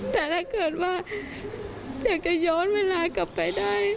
แต่ถ้าเกิดว่าอยากจะย้อนเวลากลับไปได้